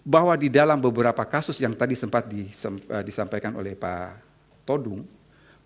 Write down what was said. bahwa di dalam beberapa kasus yang tadi sempat disampaikan oleh pak todung